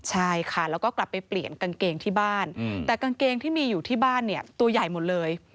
ใช่ค่ะแล้วก็กลับไปเปลี่ยนกางเกงที่บ้านแต่กางเกงที่มีอยู่ที่บ้านเนี่ยตัวใหญ่หมดเลย